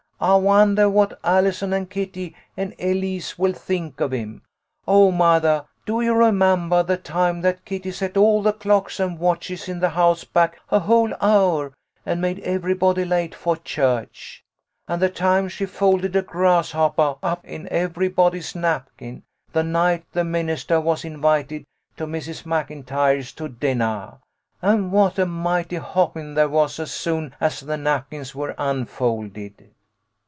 I wondah what Allison and Kitty and Elise will think of him. Oh, mothah, do you remembah the time that Kitty set all the clocks and watches in the house back a whole hour and made everybody late fo' church ? And the time she folded a grasshoppah up in every body's napkin, the night the ministah was invited to Mrs. Maclntyre's to dinnah, and what a mighty hoppin' there was as soon as the napkins were un folded?"